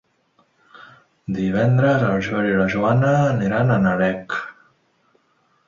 Divendres en Joel i na Joana iran a Nalec.